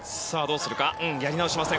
やり直しません。